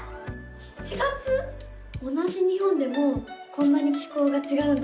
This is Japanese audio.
同じ日本でもこんなに気候がちがうんだな。